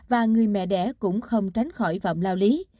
và người mẹ đẻ cũng không tránh khỏi vòng lao lý